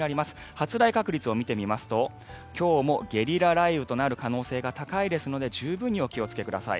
発雷確率を見てみますと今日もゲリラ雷雨となる可能性が高いので十分にお気をつけください。